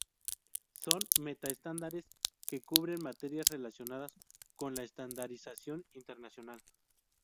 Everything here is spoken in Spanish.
Son meta-estándares que cubren "materias relacionadas con la estandarización internacional".